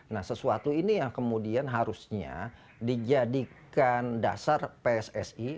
nah sesuatu ini yang kemudian harusnya dijadikan dasar pssi